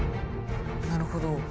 なるほど。